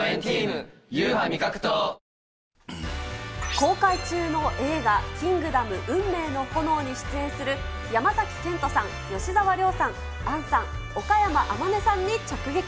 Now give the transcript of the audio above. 公開中の映画、キングダム運命の炎に出演する山崎賢人さん、吉沢亮さん、杏さん、岡山天音さんに直撃。